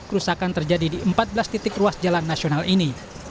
kerusakan terjadi di empat belas titik ruas jalan nasional ini